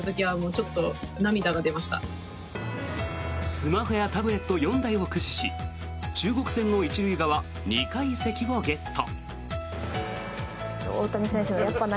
スマホやタブレット４台を駆使し中国戦の１塁側２階席をゲット。